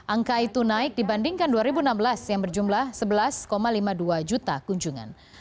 angka itu naik dibandingkan dua ribu enam belas yang berjumlah sebelas lima puluh dua juta kunjungan